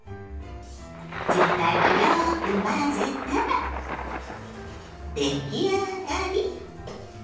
全体をよく混ぜたら出来上がり！